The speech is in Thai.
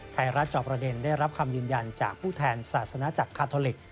จอประเด็นได้รับคำยืนยันจากผู้แทนศาสนาจักรคาทอลิก